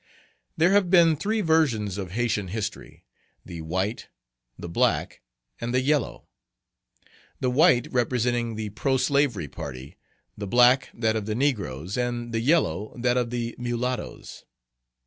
There have been three versions of Haytian history, the white, the black, and the yellow: the white representing the pro slavery party, the black that of the negroes, and the yellow that of the mulattoes.